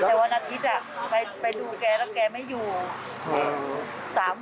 แต่วันอาทิตย์ไปดูแกแล้วแกไม่อยู่